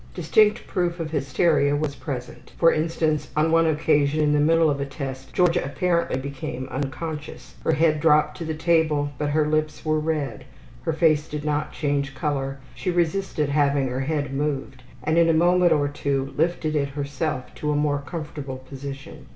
Distinct proof of hysteria was present; for instance, on one occasion in the middle of a test Georgia apparently became unconscious. Her head dropped to the table, but her lips were red, her face did not change color, she resisted having her head moved, and in a moment or two lifted it herself to a more comfortable position.